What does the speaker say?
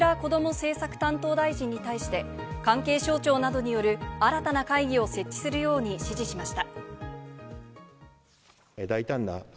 政策担当大臣に対して、関係省庁などによる新たな会議を設置するように指示しました。